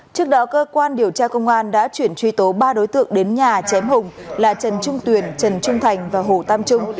trước đó cơ quan điều tra công an đã chuyển truy tố ba đối tượng đến nhà chém hùng là trần trung tuyền trần trung thành và hồ tam trung